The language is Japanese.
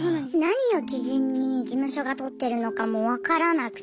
何を基準に事務所が採ってるのかも分からなくて。